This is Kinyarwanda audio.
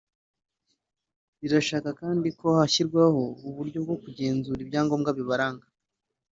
rirashaka kandi ko hashyirwaho uburyo bwo kugenzura ibyangombwa bibaranga